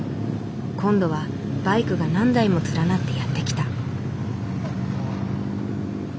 今度はバイクが何台も連なってやって来た。